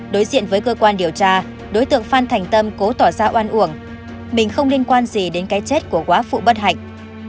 đối diện với cơ quan điều tra đối tượng phan thành tâm cố tỏ ra oan uổng mình không liên quan gì đến cái chết của quá phụ bất hạnh